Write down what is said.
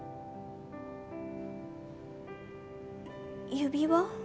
指輪？